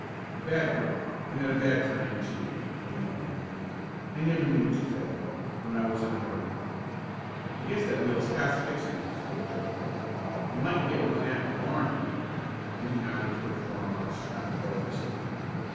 "A bad break, and at a bad time, too," the man went on. "I never knew it to fail, when I was in a hurry." "I guess that wheel is past fixing," spoke Joe. "You might get one at the barn here," and he nodded toward a farmhouse not far distant.